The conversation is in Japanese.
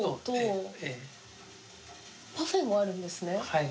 はい。